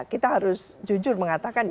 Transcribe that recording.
kita harus jujur mengatakan